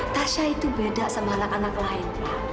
tasya itu beda sama anak anak lainnya